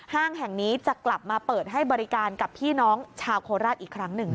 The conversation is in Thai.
ห้างแห่งนี้จะกลับมาเปิดให้บริการกับพี่น้องชาวโคราชอีกครั้งหนึ่ง